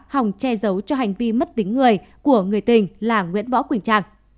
hòng che giấu cho hành vi mất tính người của người tình